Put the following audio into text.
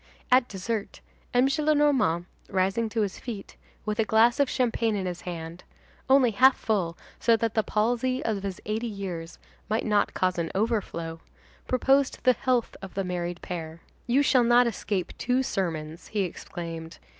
At dessert, M. Gillenormand, rising to his feet, with a glass of champagne in his hand—only half full so that the palsy of his eighty years might not cause an overflow,—proposed the health of the married pair. "You shall not escape two sermons," he exclaimed.